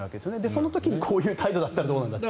その時に、こういう態度だったらどうなんだという。